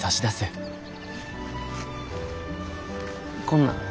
こんなん。